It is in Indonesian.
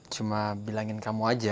cuma bilangin kamu aja